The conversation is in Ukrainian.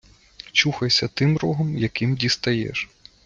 Чухайся тим рогом, яким дістаєш!